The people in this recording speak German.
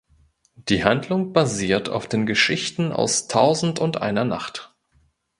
Die Handlung basiert auf den Geschichten aus Tausendundeiner Nacht.